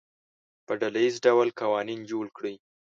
په ډله ییز ډول قوانین جوړ کړي.